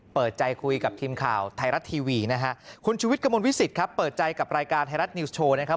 เปิดใจคุยกับทีมข่าวไทยรัฐทีวีนะฮะคุณชุวิตกระมวลวิสิตครับเปิดใจกับรายการไทยรัฐนิวส์โชว์นะครับ